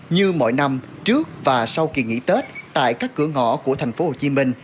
như mọi năm trước và sau kỳ nghỉ tết tại các cửa ngõ của thành phố hồ chí minh